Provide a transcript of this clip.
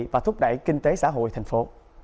và thúc đẩy kinh tế xã hội thành phố